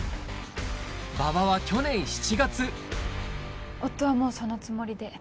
馬場は去年７月夫はもうそのつもりで。